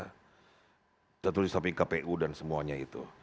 kita tulis tapi kpu dan semuanya itu